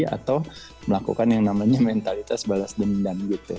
atau melakukan yang namanya mentalitas balas dendam gitu